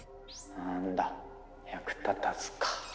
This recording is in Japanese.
なんだ役立たずか。